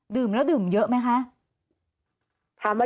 ดื่มแล้วดื่มเยอะไหมคะ